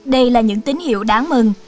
đây là những tín hiệu đáng mừng